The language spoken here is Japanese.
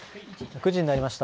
９時になりました。